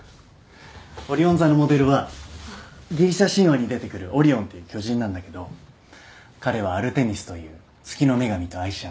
オリオン座のモデルはギリシャ神話に出てくるオリオンっていう巨人なんだけど彼はアルテミスという月の女神と愛し合っていた。